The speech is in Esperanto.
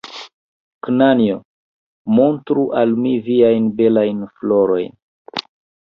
Knanjo! Montru al mi viajn belajn florojn!